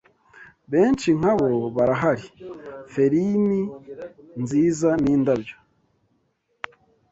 Benshi nkabo barahari, Ferini nziza nindabyo